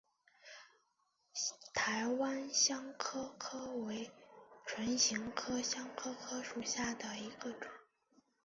台湾香科科为唇形科香科科属下的一个种。